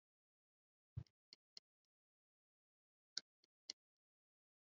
atia uchaguzi mkuu uliofanywa kwa mara ya kwanza tangu miongo miwili